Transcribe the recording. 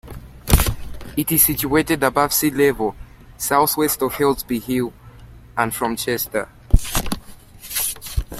It is situated above sea level, south west of Helsby Hill, and from Chester.